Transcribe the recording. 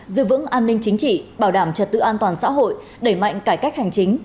giữ vững an ninh chính trị bảo đảm trật tự an toàn xã hội đẩy mạnh cải cách hành chính